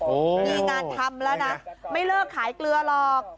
มีงานทำแล้วนะไม่เลิกขายเกลือหรอก